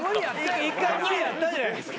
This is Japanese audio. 一回無理やったじゃないですか。